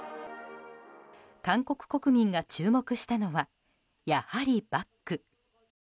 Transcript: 韓国国民が注目したのはやはりバッグ。